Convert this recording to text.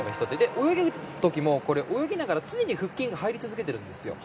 泳ぐ時も、泳ぎながら常に腹筋って入り続けているんですよ。